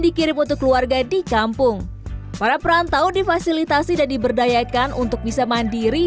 dikirim untuk keluarga di kampung para perantau difasilitasi dan diberdayakan untuk bisa mandiri